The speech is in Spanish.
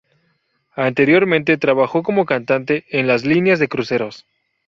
Anteriormente, trabajó como cantante en las líneas de cruceros.